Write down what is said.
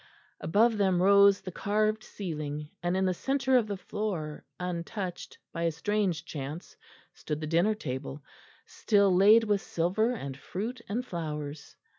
Above them rose the carved ceiling, and in the centre of the floor, untouched, by a strange chance, stood the dinner table, still laid with silver and fruit and flowers.